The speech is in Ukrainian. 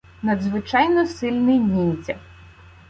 Надзвичайно сильний ніндзя.